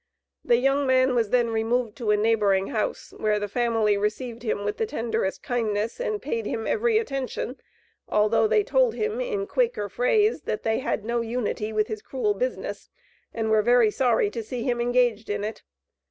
The young man was then removed to a neighboring house, where the family received him with the tenderest kindness and paid him every attention, though they told him in Quaker phrase, that "they had no unity with his cruel business," and were very sorry to see him engaged in it.